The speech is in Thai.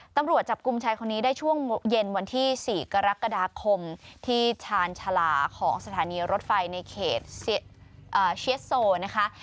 ตำรวจจับกลุ่มชายคนนี้ได้ช่วงเย็นวันที่๔กรกฎาคมที่ชาญชาลาของสถานีรถไฟในเขตเชียสโซนะคะ